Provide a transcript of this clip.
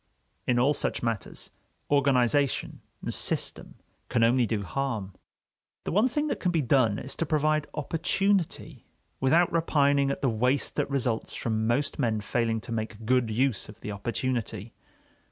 In all such matters, organization and system can only do harm. The one thing that can be done is to provide opportunity, without repining at the waste that results from most men failing to make good use of the opportunity.